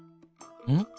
うん？